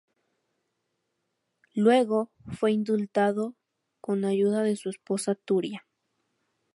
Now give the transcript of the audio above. Luego, fue indultado con ayuda de su esposa Turia.